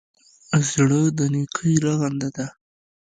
زړه د نېکۍ رغنده ده.